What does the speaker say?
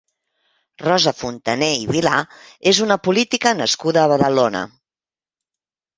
Rosa Funtané i Vilà és una política nascuda a Badalona.